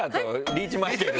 リーチマイケル